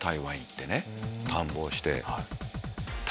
探訪して。